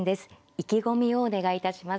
意気込みをお願いいたします。